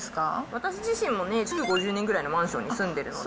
私自身もね、築５０年くらいのマンションに住んでるので。